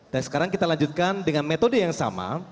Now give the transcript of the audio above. dan sekarang kita lanjutkan dengan metode yang sama